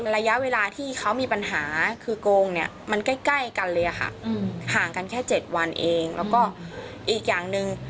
ระยะเวลาที่เขามีปัญหาคือโกงเนี่ยมันใกล้กันเลยค่ะห่างกันแค่๗วันเองแล้วก็อีกอย่างหนึ่ง